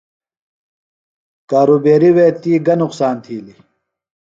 کارُوبیریۡ وے تی گہ نُقصان تِھیلیۡ؟